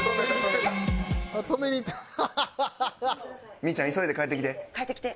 みぃちゃん急いで帰ってきて。